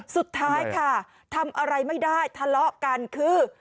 สุดท้ายค่ะทำอะไรไม่ได้ทะเลาะกันคือ